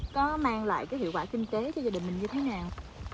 có mang lại cái hiệu quả kinh tế cho gia đình mình như thế nào